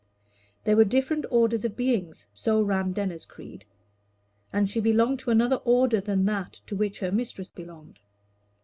There were different orders of beings so ran Denner's creed and she belonged to another order than that to which her mistress belonged.